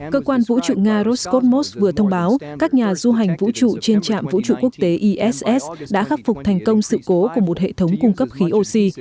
cơ quan vũ trụ nga roscosmos vừa thông báo các nhà du hành vũ trụ trên trạm vũ trụ quốc tế iss đã khắc phục thành công sự cố của một hệ thống cung cấp khí oxy